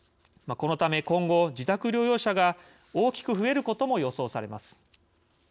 このため今後自宅療養者が大きく増えることも予想されます。